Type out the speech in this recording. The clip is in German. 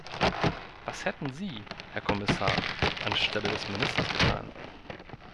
Was hätten Sie, Herr Kommissar, anstelle des Ministers getan?